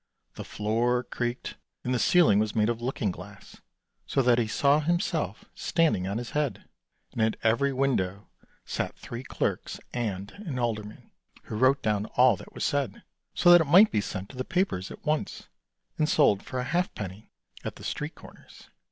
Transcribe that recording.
The floor creaked and the ceiling was made of looking glass, so that he saw himself standing on his head; and at every window sat three clerks and an alderman, who wrote down all that was said, so that it might be sent to the papers at once, and sold for a halfpenny at the street corners.